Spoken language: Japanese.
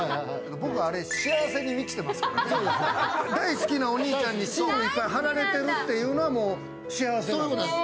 大好きなお兄ちゃんにシールいっぱい貼られてるってもう幸せなんです。